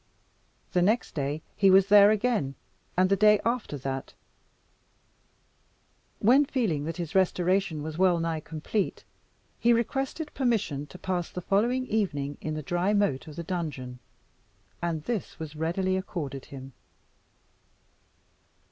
The next day he was there again, and the day after that; when, feeling that his restoration was well nigh complete, he requested permission to pass the following evening in the dry moat of the donjon. And this was readily accorded him.